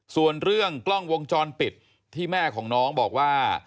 ส่วนเรื่องกล้องวงจรปิดที่แม่ของน้องบอกว่า